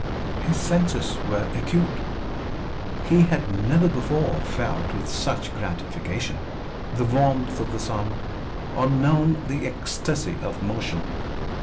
His senses were acute; he had never before felt with such gratification the warmth of the sun or known the ecstasy of motion.